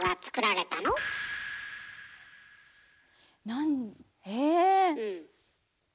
なんえ？